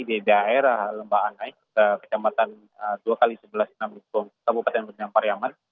di daerah lemba anai kecamatan dua x sebelas kabupaten bernyampar yangan